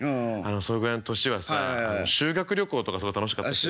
それぐらいの年はさ修学旅行とかすごい楽しかったですよね。